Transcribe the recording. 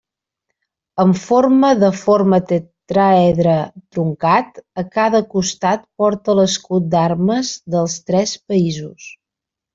Amb forma de forma tetràedre truncat, a cada costat porta l'escut d'armes dels tres països.